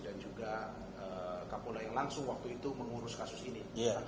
dan juga kak polda yang langsung waktu itu mengurus kasus ini